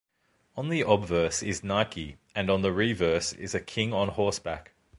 On the obverse is Nike, and on the reverse a king on horseback.